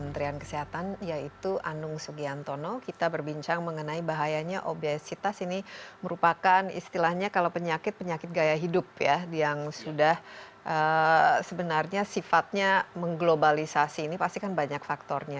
dan saya juga ingin mengucapkan yang sudah sebenarnya sifatnya mengglobalisasi ini pasti kan banyak faktornya